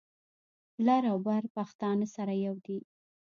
لر او بر پښتانه سره یو دي.